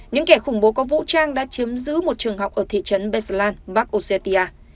những kẻ khủng bố có vũ trang đã chiếm giữ một trường học ở thị trấn beslan bắc ossetia